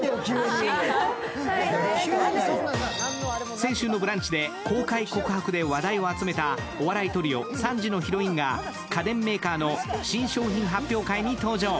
先週の「ブランチ」で公開告白で話題を集めたお笑いトリオ、３時のヒロインが家電メーカーの新商品発表会に登場。